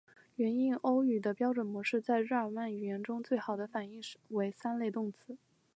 原印欧语的标准模式在日耳曼语言中最好的反映为三类动词。